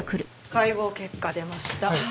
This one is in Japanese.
解剖結果出ました。